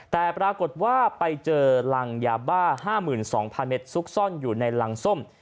แต่ปรากฏว่าไปเจอรังยาบ้า๕๒๐๐เมตรซุกซ่อนอยู่ในรังส้ม